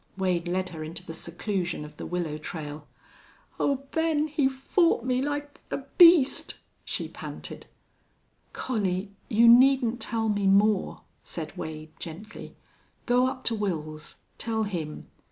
Wade led her into the seclusion of the willow trail. "Oh, Ben!... He fought me like a beast!" she panted. "Collie, you needn't tell me more," said Wade, gently. "Go up to Wils. Tell him."